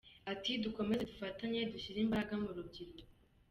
Ati “Dukomeze dufatanye dushyire imbaraga mu rubyiruko.